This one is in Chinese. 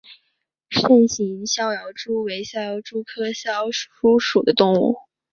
肾形逍遥蛛为逍遥蛛科逍遥蛛属的动物。